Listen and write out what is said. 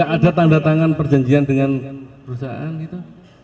oh tidak ada tanda tangan perjanjian dengan perusahaan gitu